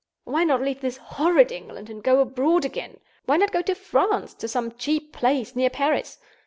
Why not leave this horrid England and go abroad again? Why not go to France, to some cheap place near Paris?